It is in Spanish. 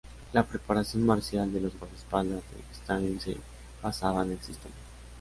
La preparación marcial de los guardaespaldas de Stalin se basaba en el Systema.